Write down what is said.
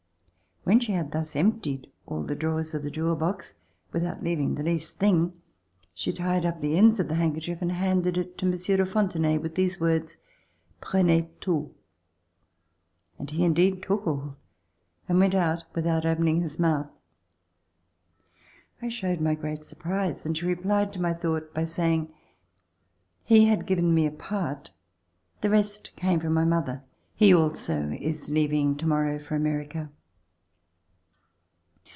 When she had thus emptied all the drawers of the jewel box, without leaving the least thing, she tied up the ends of the handkerchief and handed it to Monsieur de Fontenay with these words: "Prenez tout." And he indeed took all and went out without opening his mouth. I showed my great surprise and she replied to my thought by saying: ''He had given me a part; the rest came from my mother. He also is leaving tomorrow for America."